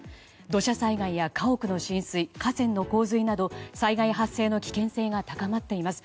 土砂災害や家屋の浸水河川の洪水など災害発生の危険性が高まっています。